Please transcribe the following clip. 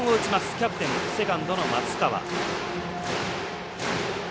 キャプテン、セカンドの松川。